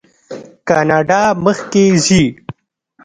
کاناډا مخکې ځي.